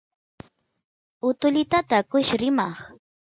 utulitata akush rima